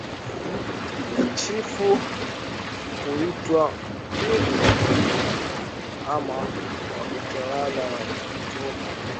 Chifu huitwa Mgoli Mkulu ama kwa utawala wa Choma mke wa Chifu na Naibu